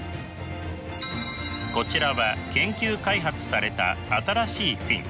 こちらは研究開発された新しいフィン。